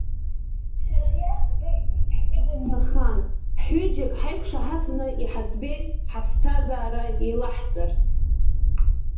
Шьасиа, сбыҳәоит ҳгәы ныбмырхан, ҳҩыџьагь ҳаиқәшаҳаҭны иҳаӡбеит ҳаԥсҭазаара еилаҳҵарц!